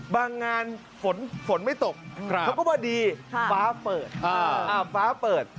บางงานฝนไม่ตกเขาก็ว่าดีฟ้าเปิด